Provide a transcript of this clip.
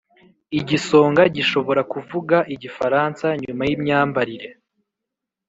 igisonga gishobora kuvuga igifaransa nyuma yimyambarire.